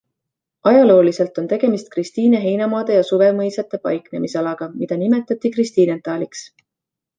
Ajalooliselt on tegemist Kristiine heinamaade ja suvemõisate paiknemisalaga, mida nimetati Christinenthaliks.